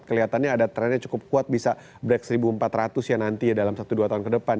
kelihatannya ada trennya cukup kuat bisa break seribu empat ratus ya nanti ya dalam satu dua tahun ke depan